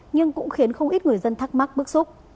nhưng cũng khiến không ít người dân thắc mắc bức xúc